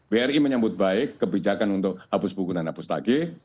bri menyambut baik kebijakan untuk hapus buku dan hapus tagih